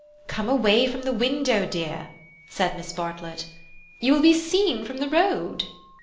"Come away from the window, dear," said Miss Bartlett. "You will be seen from the road."